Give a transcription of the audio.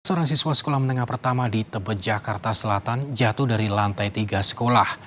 seorang siswa sekolah menengah pertama di tebet jakarta selatan jatuh dari lantai tiga sekolah